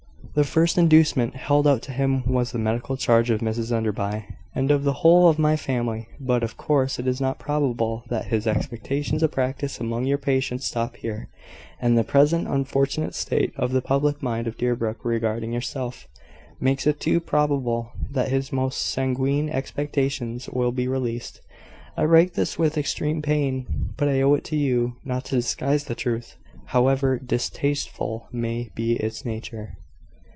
The first inducement held out to him was the medical charge of Mrs Enderby, and of the whole of my family: but, of course, it is not probable that his expectations of practice among your patients stop here; and the present unfortunate state of the public mind of Deerbrook regarding yourself, makes it too probable that his most sanguine expectations will be realised. I write this with extreme pain; but I owe it to you not to disguise the truth, however distasteful may be its nature.